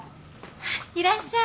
いらっしゃい。